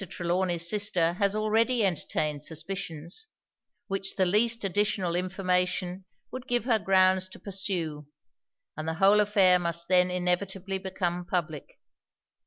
Trelawny's sister has already entertained suspicions, which the least additional information would give her grounds to pursue, and the whole affair must then inevitably become public.